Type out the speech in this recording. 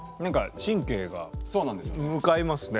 神経が向かいますね。